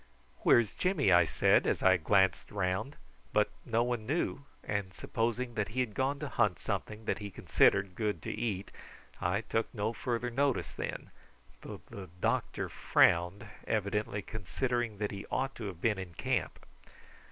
"Where's Jimmy?" I said as I glanced round; but no one knew, and supposing that he had gone to hunt something that he considered good to eat I took no further notice then, though the doctor frowned, evidently considering that he ought to have been in camp.